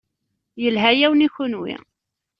Yelha-yawen i kunwi.